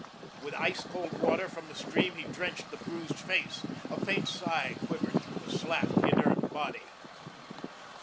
With ice cold water from the stream he drenched the bruised face. A faint sigh quivered through the slack, inert body.